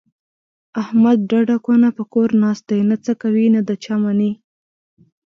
احمد ډډه کونه په کور ناست دی، نه څه کوي نه د چا مني.